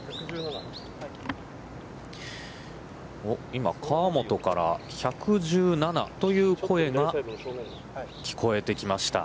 今河本から１１７という声が聞こえてきました。